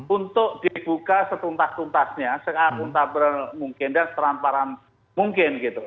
untuk dibuka setuntas tuntasnya sekalipun tak berlalu mungkin dan teramparan mungkin gitu